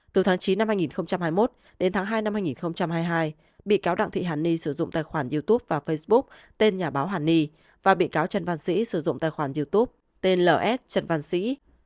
từ tháng chín năm hai nghìn hai mươi một đến tháng hai năm hai nghìn hai mươi hai bị cáo đặng thị hàn ni sử dụng tài khoản youtube và facebook tên nhà báo hàn ni và bị cáo trần văn sĩ sử dụng tài khoản youtube tên ls trần văn sĩ